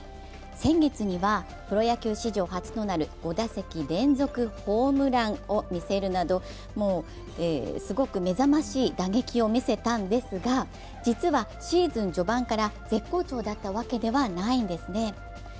先月にはプロ野球史上初となる５打席連続ホームランを見せるなどすごく目覚ましい打撃を見せたんですが実はシーズン序盤から絶好調だったわけではないんですね。